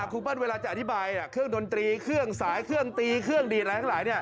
ครูเปิ้ลเวลาจะอธิบายเครื่องดนตรีเครื่องสายเครื่องตีเครื่องดีดอะไรทั้งหลาย